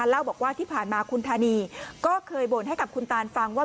เล่าบอกว่าที่ผ่านมาคุณธานีก็เคยบ่นให้กับคุณตานฟังว่า